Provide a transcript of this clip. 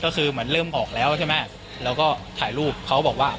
ก็คือเหมือนเริ่มออกแล้วใช่ไหมเราก็ถ่ายรูปเขาบอกว่า